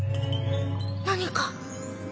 何か